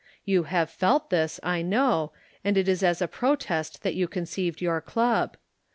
You have felt this, I know, and it is as a protest that you conceived your club.